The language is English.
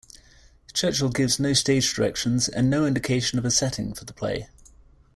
Churchill gives no stage directions and no indication of a setting for the play.